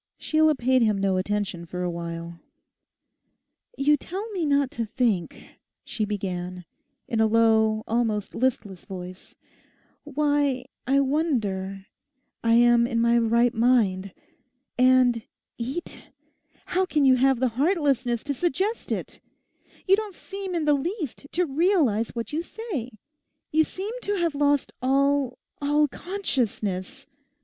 Sheila paid him no attention for a while. 'You tell me not to think,' she began, in a low, almost listless voice; 'why—I wonder I am in my right mind. And "eat"! How can you have the heartlessness to suggest it? You don't seem in the least to realize what you say. You seem to have lost all—all consciousness.